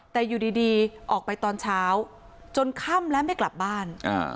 แต่อยู่ดีออกไปตอนเช้าจนค่ำและไม่กลับบ้าน